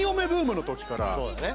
そうだね